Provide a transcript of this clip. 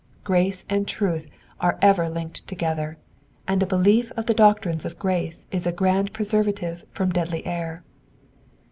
Grace and truth are ever linked together, and a belief of the doctrines of grace is a grand preservative from deadly error.